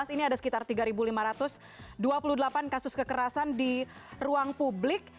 ini ada sekitar tiga lima ratus dua puluh delapan kasus kekerasan di ruang publik